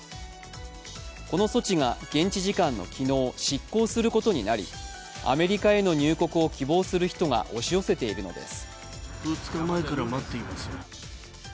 この措置が現地時間の昨日、失効することになりアメリカへの入国を希望する人が押し寄せているんです。